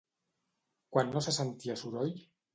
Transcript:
Quan no se sentia soroll?